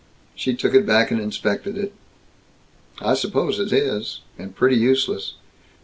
She took it back and inspected it. "I suppose it is. And pretty useless."